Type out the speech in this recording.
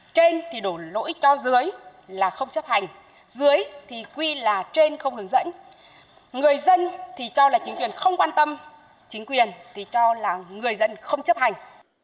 trên thì đổ lỗi cho dưới là không chấp hành dưới thì quy là trên không hướng dẫn người dân thì cho là chính quyền không quan tâm chính quyền thì cho là người dân không chấp hành